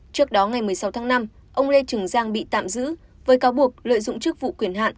trước đó ngày một mươi sáu tháng năm ông lê trường giang bị tạm giữ với cáo buộc lợi dụng chức vụ quyền hạn